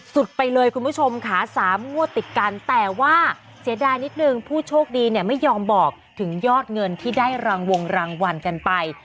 สุดไปเลยคุณผู้ชมค่ะ๓งวดติดกันแต่ว่าเสียดายนิดนึงผู้โชคดีเนี่ยไม่ยอมบอกถึงยอดเงินที่ได้รางวงรางวัลกันไป